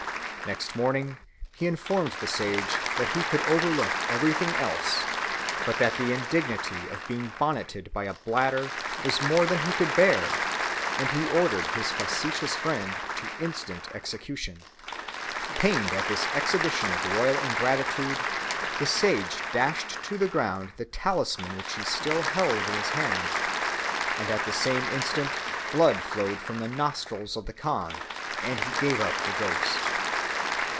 Next morning he informed the sage that he could overlook everything else, but that the indignity of being bonneted with a bladder was more than he could bear; and he ordered his facetious friend to instant execution. Pained at this exhibition of royal ingratitude, the sage dashed to the ground the talisman which he still held in his hand; and at the same instant blood flowed from the nostrils of the khan, and he gave up the ghost.